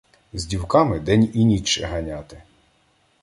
З дівками день і ніч ганяти